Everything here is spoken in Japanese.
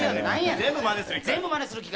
全部まねする機械。